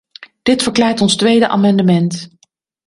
Dit verklaart ons tweede amendement.